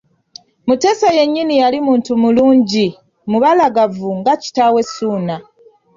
Mutesa yennyini yali muntu mulungi mubalagavu nga kitaawe Ssuuna.